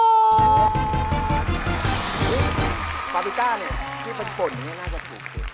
อุ๊ยบาบิก้าเนี่ยที่เป็นปล่นเนี่ยน่าจะถูกสุด